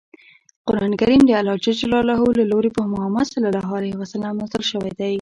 قران کریم د الله ج له لورې په محمد ص نازل شوی دی.